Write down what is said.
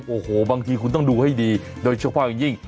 โอ้โหบางทีคุณต้องดูให้ดีโดยเฉพาะอย่างยิ่ง